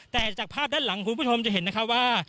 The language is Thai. แต่จากภาพด้านหลังคุณผู้ชมจะเห็นนะคะว่า